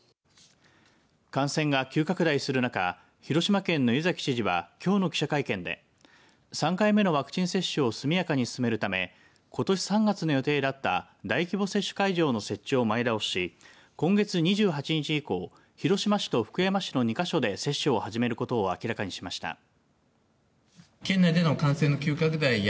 感染が急拡大する中広島県の湯崎知事はきょうの記者会見で３回目のワクチン接種を速やかに進めるためことし３月の予定だった大規模接種会場の設置を前倒しし今月２８日以降広島市と福山市の２か所で接種を始めることを明らかにしました。